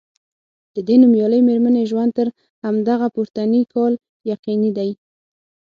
د دې نومیالۍ میرمنې ژوند تر همدغه پورتني کال یقیني دی.